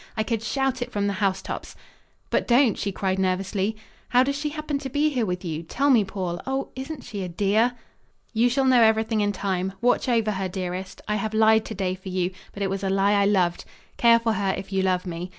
I could shout it from the housetops!" "But don't!" she cried nervously. "How does she happen to be here with you? Tell me, Paul. Oh, isn't she a dear?" "You shall know everything in time. Watch over her, dearest. I have lied today for you, but it was a lie I loved. Care for her if you love me.